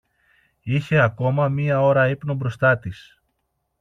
Είχε ακόμα μια ώρα ύπνο μπροστά της